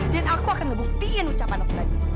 dan aku akan ngebuktiin ucapan aku tadi